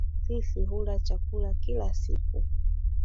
Sisi hula chakula kila siku